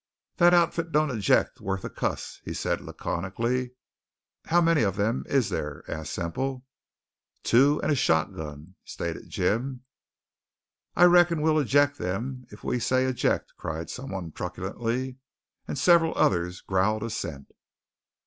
"That outfit don't eject worth a cuss," said he laconically. "How many of them is there?" asked Semple. "Two and a shotgun," stated Jim. "I reckon we'll eject them if we say 'eject'!" cried some one truculently; and several others growled assent.